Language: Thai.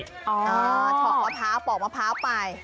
เฉาะมะพร้าวปอกมะพร้าวไป